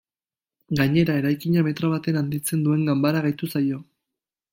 Gainera, eraikina metro baten handitzen duen ganbara gehitu zaio.